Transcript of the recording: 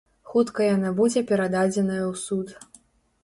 Хутка яна будзе перададзеная ў суд.